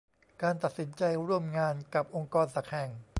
การตัดสินใจร่วมงานกับองค์กรสักแห่ง